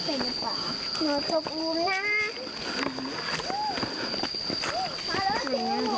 ตัวยังไม่ได้ยืดด้วยหนูเลย